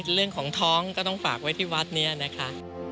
เรื่องของท้องก็ต้องฝากไว้ที่วัดนี้นะคะ